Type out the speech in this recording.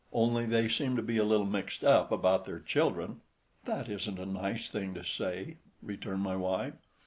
"Only they seem to be a little mixed up about their children." "That isn't a nice thing to say," returned my wife.